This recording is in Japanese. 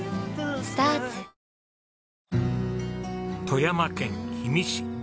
富山県氷見市。